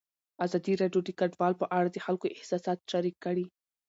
ازادي راډیو د کډوال په اړه د خلکو احساسات شریک کړي.